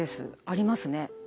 ありますね。